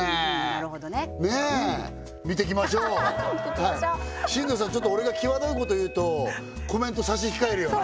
なるほどねうんねえ見ていきましょう見ていきましょう進藤さんちょっと俺が際どいこと言うとコメント差し控えるよね